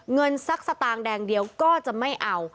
เงินสักสตางค์แดงเดียวก็จะไม่เอา